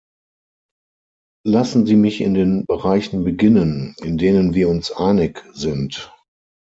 Lassen Sie mich mit den Bereichen beginnen, in denen wir uns einig sind.